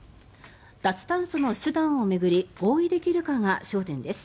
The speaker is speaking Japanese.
脱炭素の手段を巡り合意できるかが焦点です。